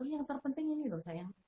yang terpenting ini loh sayang